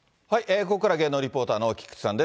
ここからは芸能リポーターの菊池さんです。